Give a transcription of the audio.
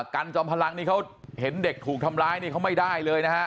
กันจอมพลังนี่เขาเห็นเด็กถูกทำร้ายนี่เขาไม่ได้เลยนะฮะ